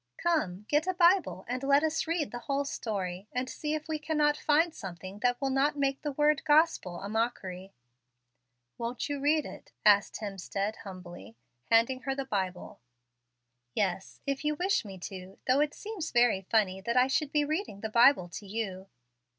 Come, get a Bible, and let us read the whole story, and see if we cannot find something that will not make the word 'gospel' a mockery." "Won't you read it?" asked Hemstead, humbly, handing her the Bible. "Yes, if you wish me to, though it seems very funny that I should be reading the Bible to you."